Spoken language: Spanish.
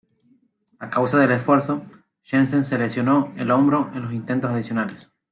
A causa del esfuerzo, Jensen se lesionó el hombro en los intentos adicionales.